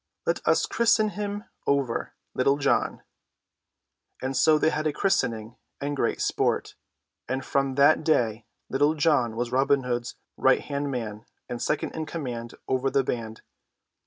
Let us christen him over, Little John." And so they had a christening and great sport; and from that day Little John was Robin's right hand man and second in command over the band.